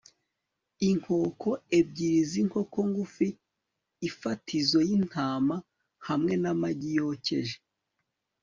inkoko ebyiri zinkoko ngufi ifatizo yintama hamwe namagi yokeje